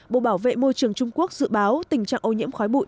bộ bảo vệ môi trường trung quốc dự báo tình trạng ô nhiễm khói bụi